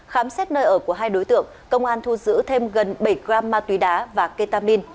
khám xét nơi ở của hai đối tượng công an thu giữ thêm gần bảy gram ma túy đá và ketamin